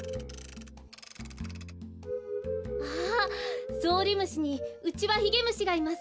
ああゾウリムシにウチワヒゲムシがいます。